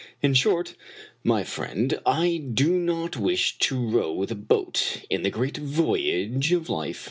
In short, my friend, I do not wish to row the boat in the great voyage of life.